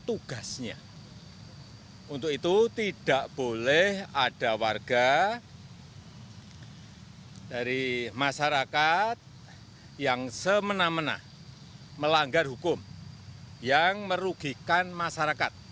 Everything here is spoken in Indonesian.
tugasnya untuk itu tidak boleh ada warga dari masyarakat yang semena mena melanggar hukum yang merugikan masyarakat